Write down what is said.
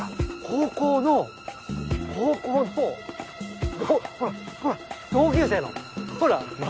高校の高校のほらほら同級生のほら！